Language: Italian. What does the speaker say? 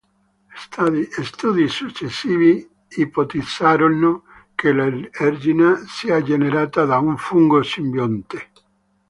Studi successivi ipotizzarono che l'ergina sia generata da un fungo simbionte.